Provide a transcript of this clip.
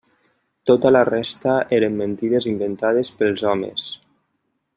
Tota la resta eren mentides inventades pels homes.